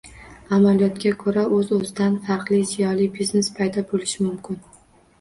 Amaliyotga ko‘ra, «o‘z o‘zidan» faqat ziyonli biznes paydo bo‘lishi mumkin.